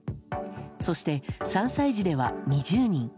そして、３歳児では２０人。